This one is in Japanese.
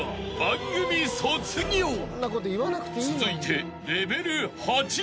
［続いて］